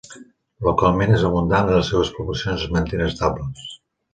Localment és abundant i les seves poblacions es mantenen estables.